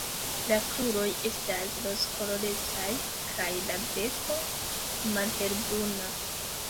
La kruroj estas rozkolorecaj kaj la beko malhelbruna.